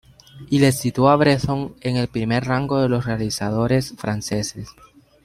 Y le situó a Bresson en el primer rango de los realizadores franceses.